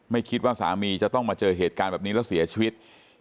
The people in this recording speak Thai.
คิดว่าสามีจะต้องมาเจอเหตุการณ์แบบนี้แล้วเสียชีวิต